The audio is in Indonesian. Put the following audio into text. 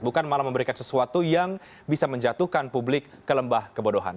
bukan malah memberikan sesuatu yang bisa menjatuhkan publik kelembah kebodohan